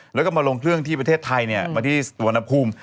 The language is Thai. แล้วก็มาลงเครื่องที่ประเทศไทยมาที่สุวรรณภูมิ